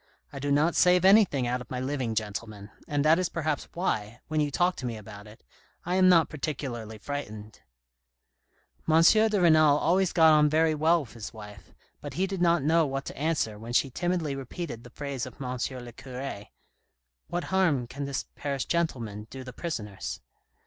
I do not save anything out of my living, gentlemen ; and that is perhaps why, when you talk to me about it, I am not particularly frightened." M. de Renal always got on very well with his wife, but he did not know what to answer when she timidly repeated the phrase of M. le cure, " What harm can this Paris gentleman do the prisoners